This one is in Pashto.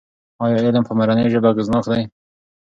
ایا علم په مورنۍ ژبه اغېزناک دی؟